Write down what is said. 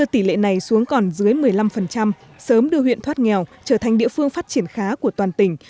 tỷ lệ này xuống còn dưới một mươi năm sớm đưa huyện thoát nghèo trở thành địa phương phát triển khá của toàn tỉnh